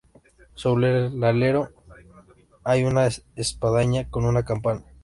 Sobre el alero hay una espadaña con una campana.